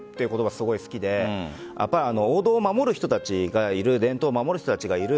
すごく好きで王道を守る人たちがいる伝統を守る人たちがいる。